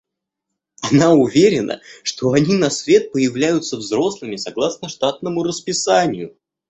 Она уверена, что они на свет появляются взрослыми согласно штатному расписанию.